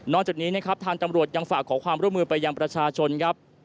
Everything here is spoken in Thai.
จากนี้นะครับทางตำรวจยังฝากขอความร่วมมือไปยังประชาชนครับ